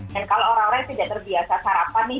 dan kalau orang orang yang tidak terbiasa sarapan nih